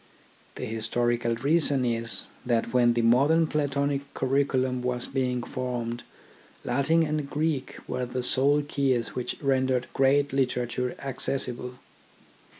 The historical reason is, that when the modern Platonic curriculum was being formed Latin and Greek were the sole keys which rendered great literature accessible.